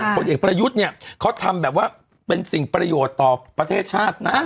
ผลเอกประยุทธ์เนี่ยเขาทำแบบว่าเป็นสิ่งประโยชน์ต่อประเทศชาตินะ